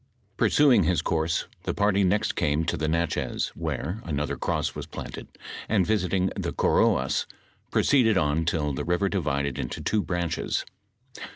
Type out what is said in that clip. Pursuing his course, the party next came to the l^atchez, where another cross was planted, and visiting the Koroaa proceeded on till the river divided into two branches.